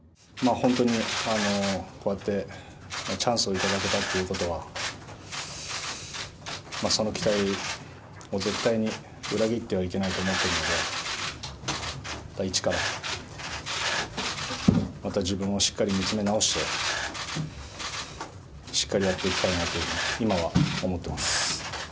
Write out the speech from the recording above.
本当にこうやってチャンスを頂けたということは、その期待を絶対に裏切ってはいけないと思っているので、一からまた自分をしっかり見つめ直して、しっかりやっていきたいなというふうに今は思ってます。